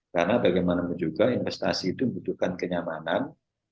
karena bagaimanapun juga investasi itu membutuhkan kenyamanan